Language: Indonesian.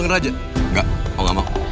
raja enggak mau gak mau